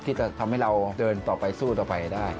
ที่จะทำให้เราเดินต่อไปสู้ต่อไปได้